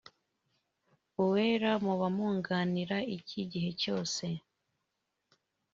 Uwera muba muganira iki igihe cyose